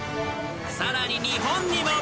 ［さらに日本にも］